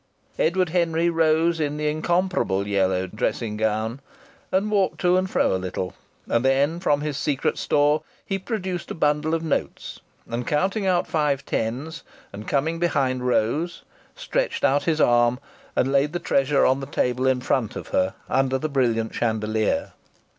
Edward Henry rose in the incomparable yellow dressing gown and walked to and fro a little, and then from his secret store he produced a bundle of notes, and counted out five tens and, coming behind Rose, stretched out his arm, and laid the treasure on the table in front of her under the brilliant chandelier.